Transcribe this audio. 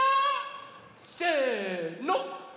せの。